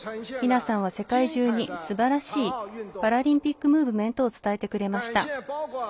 皆さんは世界中にすばらしいパラリンピックムーブメントを伝えてくれました。